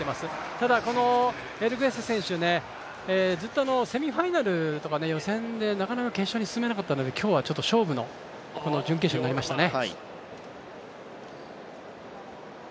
ただこのエルグエッセ選手ずっとセミファイナルとか予選でなかなか決勝に進めなかったので、今日は勝負の準決勝となりましたね。